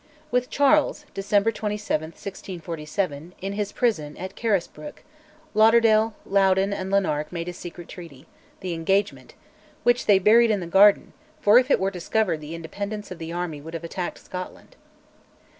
With Charles (December 27, 1647) in his prison at Carisbrooke, Lauderdale, Loudoun, and Lanark made a secret treaty, The Engagement, which they buried in the garden, for if it were discovered the Independents of the army would have attacked Scotland.